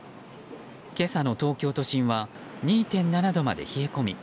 今朝の東京都心は２．７度まで冷え込み